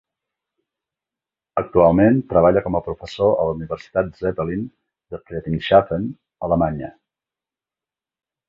Actualment treballa com a professor a la Universitat Zeppelin de Friedrichshafen, Alemanya.